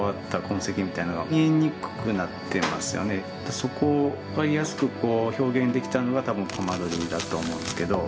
そこを分かりやすく表現できたのが多分コマ撮りだと思うんですけど。